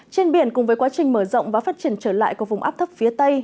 trên biển cùng với quá trình mở rộng và phát triển trở lại của vùng áp thấp phía tây